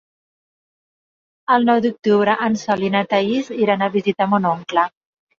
El nou d'octubre en Sol i na Thaís iran a visitar mon oncle.